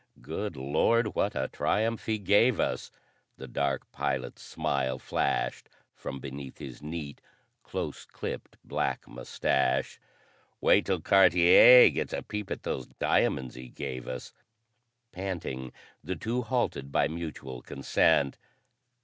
Good Lord, what a triumph he gave us!" The dark pilot's smile flashed from beneath his neat, close clipped black mustache. "Wait till Cartier gets a peep at those diamonds he gave us." Panting, the two halted by mutual consent.